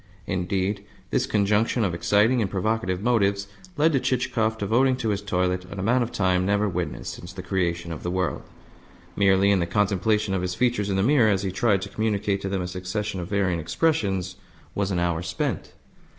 Indeed, this conjunction of exciting and provocative motives led to Chichikov devoting to his toilet an amount of time never witnessed since the creation of the world. Merely in the contemplation of his features in the mirror, as he tried to communicate to them a succession of varying expressions, was an hour spent.